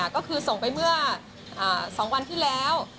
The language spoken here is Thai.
ก็คือส่งไปเมื่อ๒วันที่แล้ว